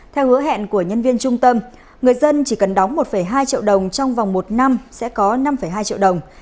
theo hứa hẹn của nhân viên trung tâm người dân chỉ cần đóng một hai triệu đồng trong vòng một năm sẽ có năm hai triệu đồng